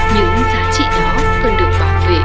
những giá trị đó cần được bảo vệ